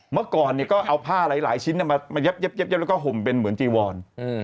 เมื่อก่อนก็เอาผ้าหลายชิ้นมาเย็บแล้วก็ห่มเป็นเหมือนจีวอน